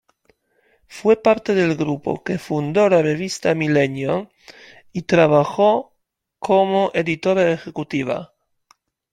Fue parte del grupo que fundó la revista "Milenio" y trabajó como Editora Ejecutiva.